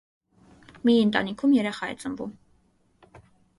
Մի ընտանիքում երեխա է ծնվում։